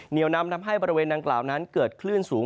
เหนียวนำทำให้บริเวณดังกล่าวนั้นเกิดคลื่นสูง